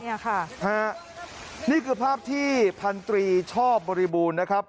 เนี่ยค่ะฮะนี่คือภาพที่พันตรีชอบบริบูรณ์นะครับ